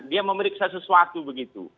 dia memeriksa sesuatu begitu